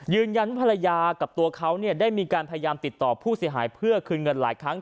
ภรรยากับตัวเขาได้มีการพยายามติดต่อผู้เสียหายเพื่อคืนเงินหลายครั้ง